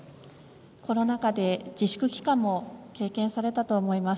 コロナ禍で自粛期間も経験されたと思います。